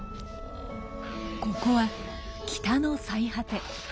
ここは北の最果て。